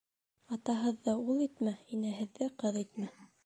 Атаһыҙҙы ул итмә, инәһеҙҙе ҡыҙ итмә.